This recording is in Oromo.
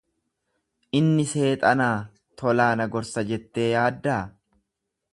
Inni seexanaa tolaa na gorsa jettee yaaddaa